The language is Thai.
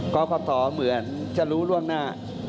กรกตเหมือนจะรู้ล่วงหน้า